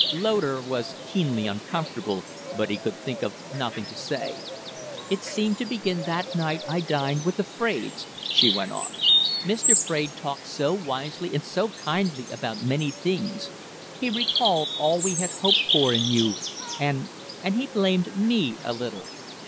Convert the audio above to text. Loder was keenly uncomfortable, but he could think of nothing to say. "It seemed to begin that night I dined with the Fraides," she went on. "Mr. Fraide talked so wisely and so kindly about many things. He recalled all we had hoped for in you; and and he blamed me a little."